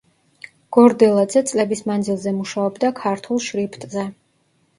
გორდელაძე წლების მანძილზე მუშაობდა ქართულ შრიფტზე.